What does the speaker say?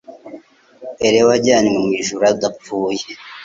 Eliya wajyariywe mu ijuru adapfuye;